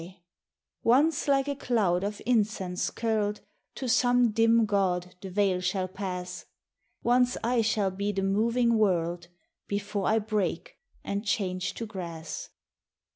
74 THE WELCOME Once like a cloud of incense curled To some dim god, the veil shall pass, Once I shall be the moving world Before I break and change to grass.